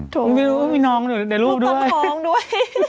โถ่มีน้องได้ลูกด้วยมีลูกตอนท้องด้วย